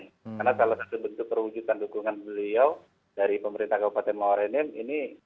karena salah satu bentuk perwujudan dukungan beliau dari pemerintah kabupaten mawar ini